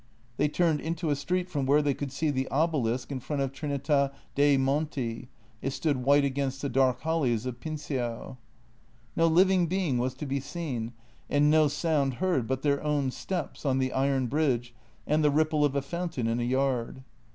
They turned into a street from where they could see the obelisk in front of Trinita dei Monti — it stood white against the dark hollies of Pincio. No living being was to be seen and no sound heard but their own steps on the iron bridge and the ripple of a fountain in a yard.